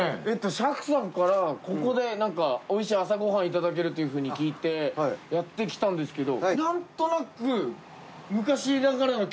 えっと車夫さんからここで何かおいしい朝ごはんいただけるっていうふうに聞いてやって来たんですけど何となく。